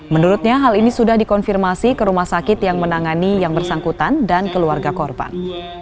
menurutnya hal ini sudah dikonfirmasi ke rumah sakit yang menangani yang bersangkutan dan keluarga korban